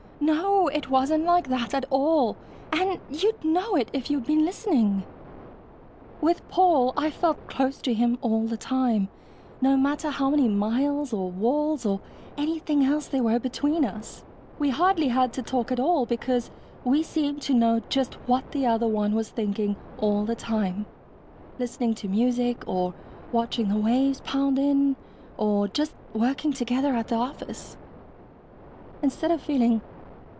"No, it wasn't like that at all, and you'd know it, if you'd been listening. With Paul, I felt close to him all the time, no matter how many miles or walls or anything else there were between us. We hardly had to talk at all, because we seemed to know just what the other one was thinking all the time, listening to music, or watching the waves pound in or just working together at the office. Instead of feeling